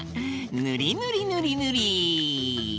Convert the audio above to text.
ぬりぬりぬりぬり！